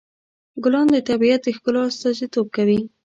ګلان د طبیعت د ښکلا استازیتوب کوي.